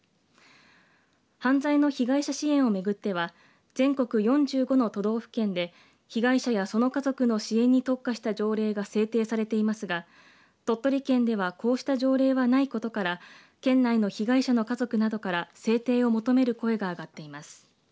犯罪の被害者支援を巡っては全国４５の都道府県で被害者やその家族の支援に特化した条例が制定されていますが鳥取県ではこうした条例がないことから県内の被害者の家族などから制定を求める声が上がっています。